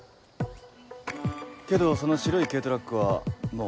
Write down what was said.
けどその白い軽トラックはもう。